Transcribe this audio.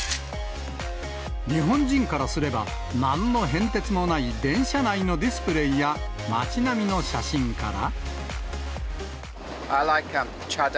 日本人からすれば、なんの変哲もない電車内のディスプレーや、街並みの写真から。